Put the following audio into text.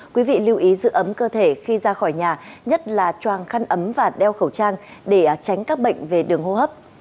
quý vị lưu ý giữ ấm cơ thể khi ra khỏi nhà nhất là choàng khăn ấm và đeo khẩu trang để tránh các bệnh về đường hô hấp